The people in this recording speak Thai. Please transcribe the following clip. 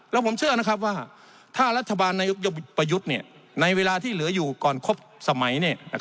แล้วผมเชื่อนะครับว่าถ้ารัฐบาลนายกประยุทธ์ในเวลาที่เหลืออยู่ก่อนครบสมัย